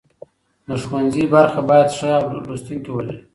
د ښوونځي برخه باید ښه لوستونکي ولري.